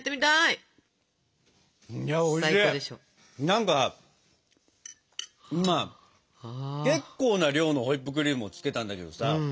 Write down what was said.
何か今結構な量のホイップクリームを付けたんだけどさ